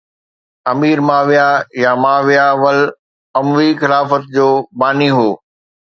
امير معاويه يا معاويه اول اموي خلافت جو باني هو